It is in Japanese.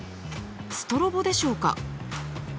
ストロボでしょうか？